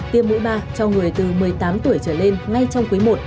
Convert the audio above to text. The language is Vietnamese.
tiêm mũi ba cho người từ một mươi tám tuổi trở lên ngay trong quý i